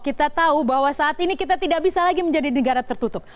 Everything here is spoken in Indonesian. kita tahu bahwa saat ini kita tidak bisa lagi menjadi negara tertutup